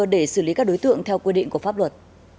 để xử lý các đối tượng theo quy định của pháp luật